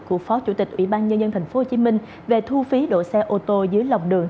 của phó chủ tịch ủy ban nhân dân thành phố hồ chí minh về thu phí đổ xe ô tô dưới lòng đường